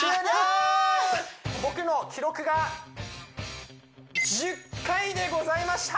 僕の記録が１０回でございました！